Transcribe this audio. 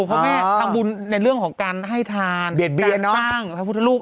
เพราะแม่ทำบุญในเรื่องของให้ทานแต่ล่างผัดพุทธรูป